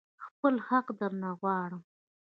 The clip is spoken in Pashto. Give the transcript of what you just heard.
خپل حق درنه غواړم.